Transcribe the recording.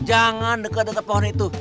jangan dekat dekat pohon itu